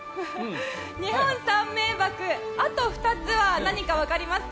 日本三名瀑、あと２つは何かわかりますか？